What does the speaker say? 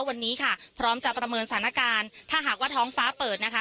วันนี้ค่ะพร้อมจะประเมินสถานการณ์ถ้าหากว่าท้องฟ้าเปิดนะคะ